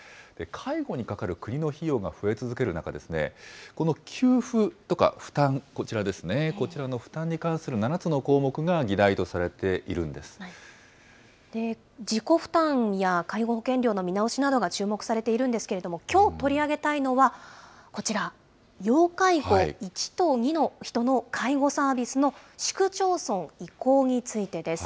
介護にかかる国の費用が増え続ける中ですね、この給付とか、負担、こちらですね、こちらの負担に関する７つの項目が議題とされてい自己負担や介護保険料の見直しなどが注目されているんですけれども、きょう取り上げたいのは、こちら、要介護１と２の人の介護サービスの市区町村移行についてです。